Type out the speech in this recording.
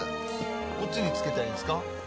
こっちにつけたらいいんですか？